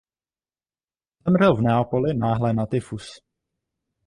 Zemřel v Neapoli náhle na tyfus.